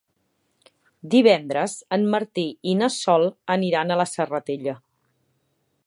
Divendres en Martí i na Sol iran a la Serratella.